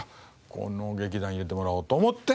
この劇団入れてもらおうと思って。